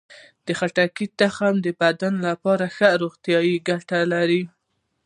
د خټکي تخمونه د بدن لپاره ښه روغتیايي ګټې لري.